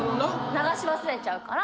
流し忘れちゃうから。